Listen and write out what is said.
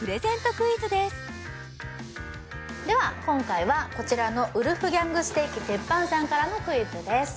クイズですでは今回はこちらのウルフギャング・ステーキＴＥＰＰＡＮさんからのクイズです